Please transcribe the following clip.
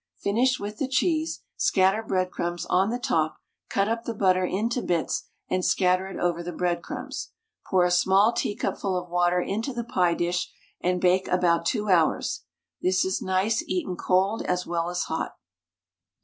Finish with the cheese, scatter breadcrumbs on the top, cut up the butter into bits and scatter it over the breadcrumbs. Pour a small teacupful of water into the pie dish, and bake about 2 hours. This is nice eaten cold as well as hot.